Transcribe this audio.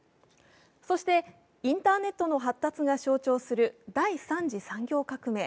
そしてインターネットの発達が象徴する第３次産業革命。